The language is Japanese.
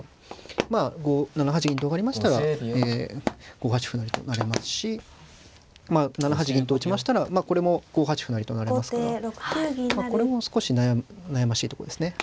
まあ７八銀と上がりましたらえ５八歩成と成れますしまあ７八銀と打ちましたらこれも５八歩成と成れますからこれも少し悩ましいとこですね。